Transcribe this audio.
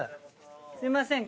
すいません